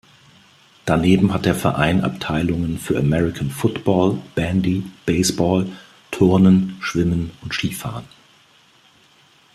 Daneben hat der Verein Abteilungen für American Football, Bandy, Baseball, Turnen, Schwimmen und Skifahren.